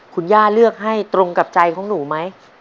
คุณย่าเลือกให้ตรงกับใจของหนูไหม